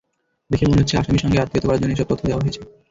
দেখে মনে হচ্ছে, আসামির সঙ্গে আত্মীয়তা করার জন্য এসব তথ্য দেওয়া হয়েছে।